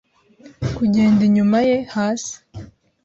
Kugenda inyuma ye hasi